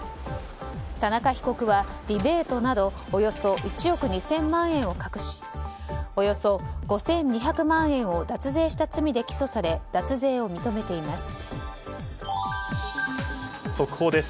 田中被告はリベートなどおよそ１億２０００万円を隠しおよそ５２００万円を脱税した罪で起訴され脱税を認めています。